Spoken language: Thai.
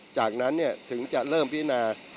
จากนั้นเนี่ยถึงจะเริ่มพิจารณา